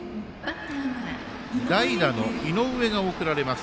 代打の井上が送られます。